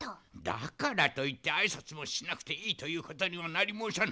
だからといってあいさつもしなくていいということにはなりもうさぬ。